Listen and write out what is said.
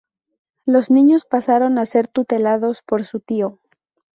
Los niños pasaron a ser tutelados por su tío.